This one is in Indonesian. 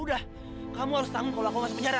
ya udah kamu harus tanggung kalau aku masuk penjara